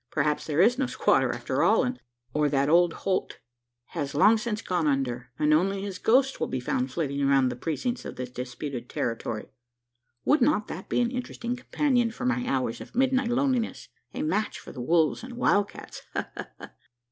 Perhaps there is no squatter after all; or that old Holt has long since `gone under' and only his ghost will be found flitting around the precincts of this disputed territory. Would not that be an interesting companion for my hours of midnight loneliness? A match for the wolves and wild cats! Ha! ha! ha!"